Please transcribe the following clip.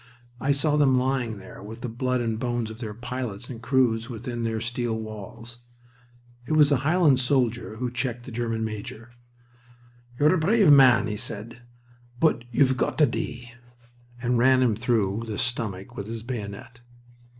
I saw them lying there with the blood and bones of their pilots and crews within their steel walls. It was a Highland soldier who checked the German major. "You're a brave man," he said, "but you've got to dee," and ran him through the stomach with his bayonet.